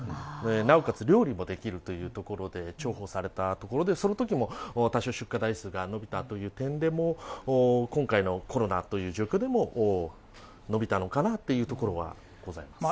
なおかつ料理もできるというところで、重宝されたところで、そのときも、多少出荷台数が伸びたという点でも、今回のコロナという状況でも伸びたのかなというところはございます。